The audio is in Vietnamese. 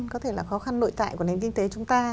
có thể là khó khăn nội tại của nền kinh tế chúng ta